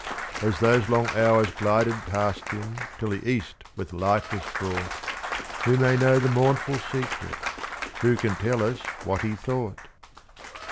As those long hours glided past him, till the east with light was fraught, Who may know the mournful secret who can tell us what he thought?